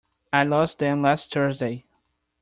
I lost them last Thursday.